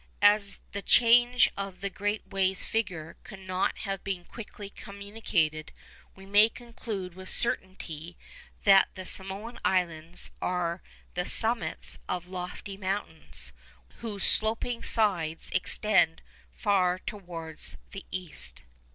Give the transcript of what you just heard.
As the change of the great wave's figure could not have been quickly communicated, we may conclude with certainty that the Samoan Islands are the summits of lofty mountains, whose sloping sides extend far towards the east.